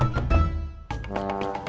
assalamualaikum warahmatullahi wabarakatuh